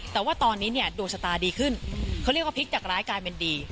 แต่ว่าตอนนี้เนี่ยดวงชะตาดีขึ้นเขาเรียกว่าพลิกจากร้ายกลายเป็นดี